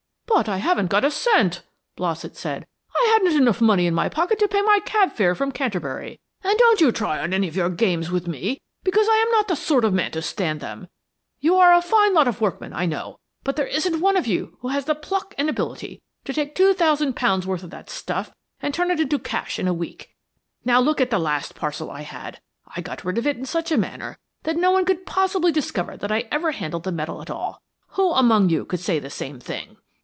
"But I haven't got a cent," Blossett said. "I hadn't enough money in my pocket to pay my cab fare from Canterbury; and don't you try on any of your games with me, because I am not the sort of man to stand them. You are a fine lot of workmen I know, but there isn't one of you who has the pluck and ability to take two thousand pound's worth of that stuff and turn it into cash in a week. Now look at the last parcel I had, I got rid of it in such a manner that no one could possibly discover that I ever handled the metal at all. Who among you could say the same thing?"